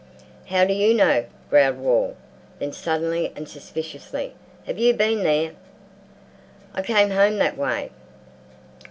"How do you know?" growled Wall. Then suddenly and suspiciously, "Have you been there?" "I came home that way."